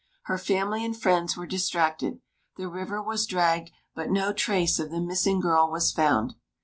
Her family and friends were distracted. The river was dragged, but no trace of the missing girl was found.